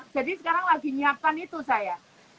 jadi sekarang lagi menyiapkan itu saya